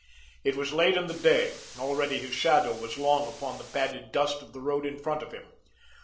It was late in the day, already his shadow was long upon the padded dust of the road in front of him.